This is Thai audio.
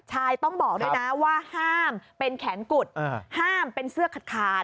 ใช่ต้องบอกด้วยนะว่าห้ามเป็นแขนกุดห้ามเป็นเสื้อขาด